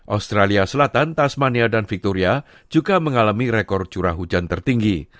australia selatan tasmania dan victoria juga mengalami rekor curah hujan tertinggi